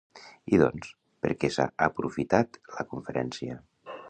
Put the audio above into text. I doncs, per què s'ha aprofitat la conferència?